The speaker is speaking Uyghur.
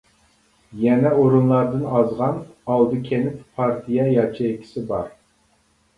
يەنە ئورۇنلاردىن ئازغان ئالدى كەنت پارتىيە ياچېيكىسى بار.